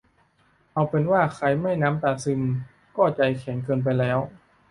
เอาเป็นว่าใครไม่น้ำตาซึมก็ใจแข็งเกินไปแล้ว